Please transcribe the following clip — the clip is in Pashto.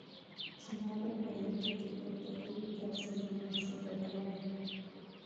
چې ما به په لفټ کې پورته کوي، داسې یې مناسب وبلله.